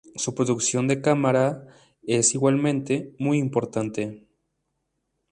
Su producción de cámara es, igualmente, muy importante.